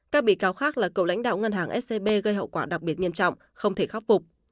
các bị cáo khác là cựu lãnh đạo ngân hàng scb gây hậu quả đặc biệt nghiêm trọng không thể khắc phục